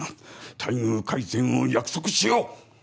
待遇改善を約束しよう！